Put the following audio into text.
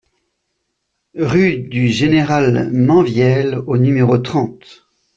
Rue du Général Menvielle au numéro trente